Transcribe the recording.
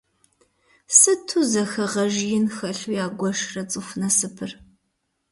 Сыту зэхэгъэж ин хэлъу ягуэшрэ цӏыху насыпыр.